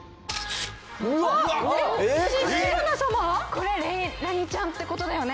これレイラニちゃんってことだよね？